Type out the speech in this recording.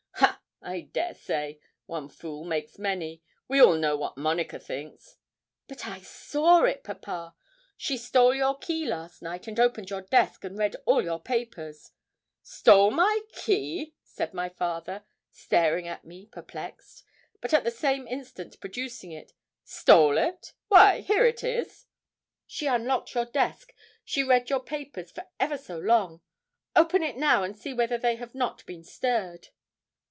'Ha! I dare say; one fool makes many. We all know what Monica thinks.' 'But I saw it, papa. She stole your key last night, and opened your desk, and read all your papers.' 'Stole my key!' said my father, staring at me perplexed, but at the same instant producing it. 'Stole it! Why here it is!' 'She unlocked your desk; she read your papers for ever so long. Open it now, and see whether they have not been stirred.'